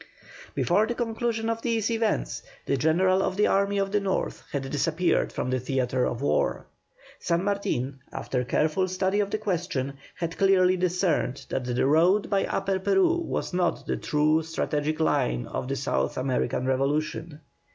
Before the conclusion of these events, the General of the Army of the North had disappeared from the theatre of war. San Martin, after careful study of the question, had clearly discerned that the road by Upper Peru was not the true strategical line of the South American revolution.